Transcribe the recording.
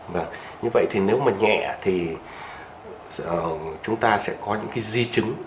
và như vậy thì nếu mà nhẹ thì chúng ta sẽ có những cái di chứng